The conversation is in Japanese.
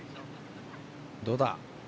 どうだ。